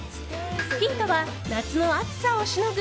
ヒントは夏の暑さをしのぐ